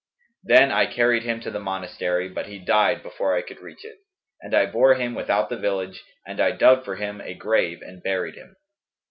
Then I carried him to the monastery, but he died, before I could reach it, and I bore him without the village and I dug for him a grave and buried him.